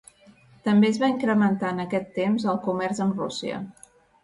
També es va incrementar en aquest temps el comerç amb Rússia.